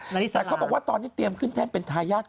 นาริสาหรับแล้วเขาบอกว่าตอนนี้เตรียมขึ้นแท้เป็นทายาท